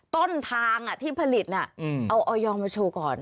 ต้นทางที่ผลิตเอาออยอร์มาโชว์ก่อน